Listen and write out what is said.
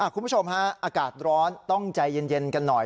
คุณผู้ชมฮะอากาศร้อนต้องใจเย็นกันหน่อย